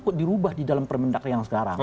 kok dirubah di dalam permendak yang sekarang